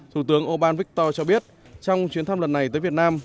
thủ tướng oban viktor cho biết trong chuyến thăm lần này tới việt nam